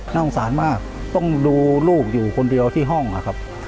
น่าสงสารมากต้องดูลูกอยู่คนเดียวที่ห้องนะครับ